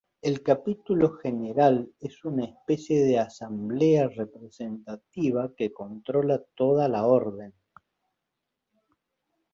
El capítulo general es una especie de asamblea representativa que controla toda la orden.